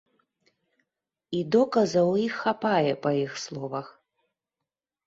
І доказаў у іх хапае, па іх словах.